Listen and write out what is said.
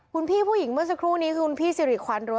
คุณพี่ผู้หญิงเมื่อสักครู่นี้คือคุณพี่สิริขวัญรั้